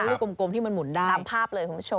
แล้วลูกกลมที่มันหมุนได้